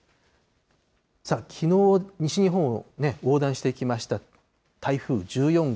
きのう、西日本を横断してきました台風１４号。